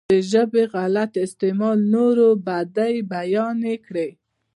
د ژبې غلط استعمال نورو بدۍ بيانې کړي.